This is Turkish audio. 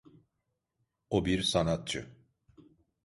O bir sanatçı.